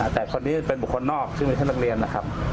แต่เกิดเป็นบุคคลนอกชื่อแม่ชาตินักเรียนนะครับ